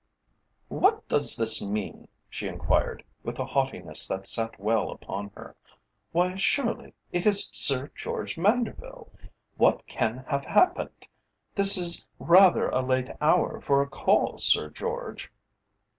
"What does this mean?" she enquired, with a haughtiness that sat well upon her. "Why, surely it is Sir George Manderville! What can have happened? This is rather a late hour for a call, Sir George!"